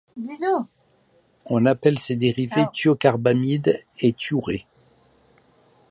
On appelle ses dérivés thiocarbamides ou thiourées.